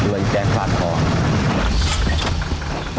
วันแจกปลาทออก